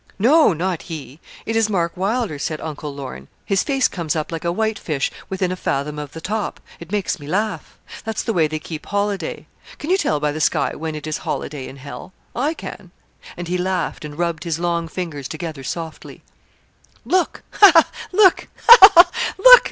'No not he. It is Mark Wylder,' said Uncle Lorne; 'his face comes up like a white fish within a fathom of the top it makes me laugh. That's the way they keep holiday. Can you tell by the sky when it is holiday in hell? I can.' And he laughed, and rubbed his long fingers together softly. 'Look! ha! ha! Look! ha! ha! ha! _Look!